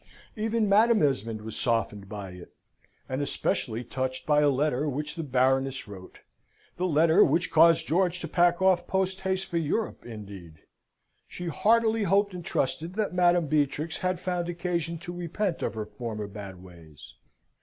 Even Madam Esmond was softened by it (and especially touched by a letter which the Baroness wrote the letter which caused George to pack off post haste for Europe, indeed). She heartily hoped and trusted that Madam Beatrix had found occasion to repent of her former bad ways.